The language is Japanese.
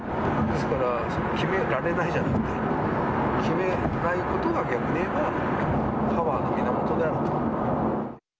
ですから、決められないじゃなくて、決めないことが逆にいえば、パワーの源であると。